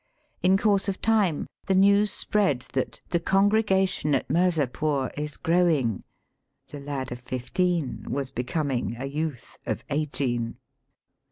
In course of time the news spread that "the congregation at Mirzapore is growing ;" the lad of fifteen was becoming a youth of eighteen.